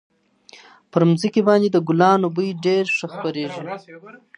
پر مځکي باندي د ګلانو بوی ډېر ښه خپرېږي.